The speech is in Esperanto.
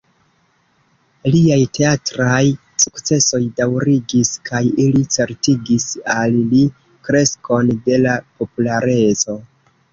Liaj teatraj sukcesoj daŭrigis kaj ili certigis al li kreskon de la populareco.